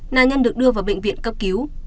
nà nhân được đưa vào bệnh viện cấp cứu